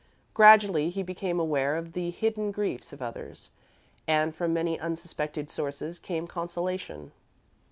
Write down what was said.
Gradually, he became aware of the hidden griefs of others, and from many unsuspected sources came consolation.